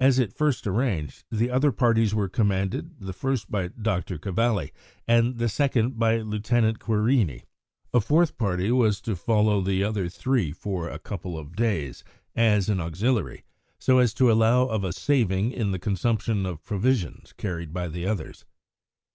As at first arranged, the other parties were commanded, the first by Dr. Cavalli, and the second by Lieutenant Querini. A fourth party was to follow the other three for a couple of days, as an auxiliary, so as to allow of a saving in the consumption of provisions carried by the others.